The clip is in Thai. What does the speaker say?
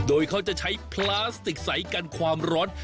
โดยเขาจะใช้พลาสติกใสกันความร้อน